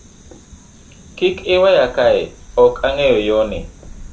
Kiki iweya kae ok angeyo yoni.